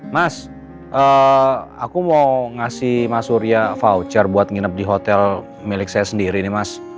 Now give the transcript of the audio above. mas aku mau ngasih mas surya voucher buat nginep di hotel milik saya sendiri nih mas